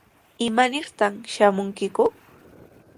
¿Imanirtaq shamunkiku?